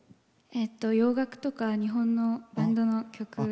洋楽とか日本のバンドの曲を。